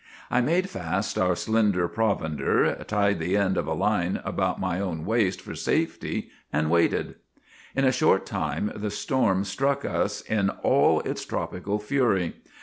" I made fast our slender provender, tied the end of a line about my own waist for safety, and waited. " In a short time the storm struck us in all its tropical fury.